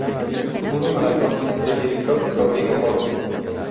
Puro Maratón" del director Rodrigo Moro.